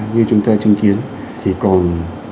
như chúng ta chứng kiến thì còn